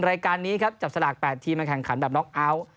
รายการนี้ครับจับสลาก๘ทีมมาแข่งขันแบบน็อกเอาท์